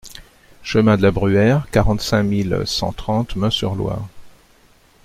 Chemin de la Bruère, quarante-cinq mille cent trente Meung-sur-Loire